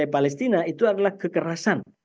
palestina itu adalah kekerasan